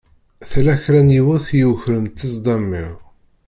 Tella kra n yiwet i yukren ṭṭezḍam-iw.